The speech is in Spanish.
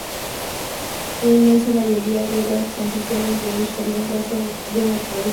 La inmensa mayoría de las transcripciones de esta lengua son de naturaleza teórica.